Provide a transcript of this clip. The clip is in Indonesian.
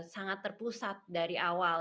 sangat terpusat dari awal